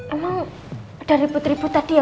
emang udah ribut ribut tadi ya